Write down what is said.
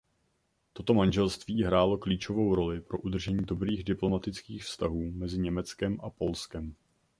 Toto manželství hrálo klíčovou roli pro udržení dobrých diplomatických vztahů mezi Německem a Polskem.